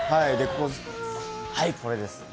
はい、これです！